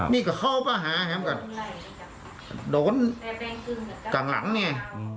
นี่ก็เข้าประหารโดนกลางหลังเนี่ย